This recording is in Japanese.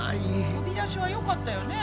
飛びだしはよかったよね？